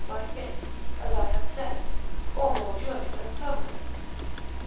by fits (as I have said) or more during and permanent.